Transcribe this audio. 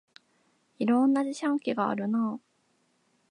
いろんな自販機があるなあ